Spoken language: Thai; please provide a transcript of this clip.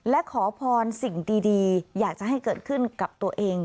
และขอพรสิ่งดีอยากจะให้เกิดขึ้นกับตัวเอง